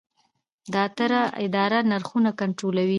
د اترا اداره نرخونه کنټرولوي؟